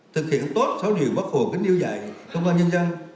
thực hiện tốt sáu điều bác phù kính điều dạy công an nhân dân